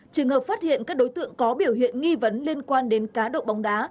trường hợp phát hiện các đối tượng có biểu hiện nghi vấn liên quan đến cá độ bóng đá